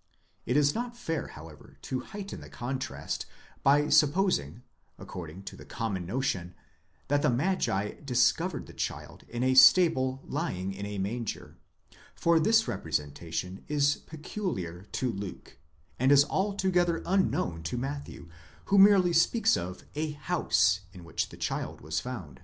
® It is not fair, however, to heighten the contrast by supposing, according to the common notion, that the magi discovered the child in a stable lying in the manger; for this representation is peculiar to Luke, and is altogether unknown to Matthew, who merely speaks of a Aouse, οἰκία, in which the child was found.